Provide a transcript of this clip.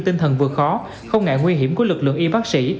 phần vượt khó không ngại nguy hiểm của lực lượng y bác sĩ